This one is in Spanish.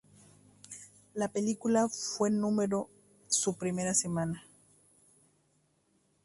La película fue numero su primera semana.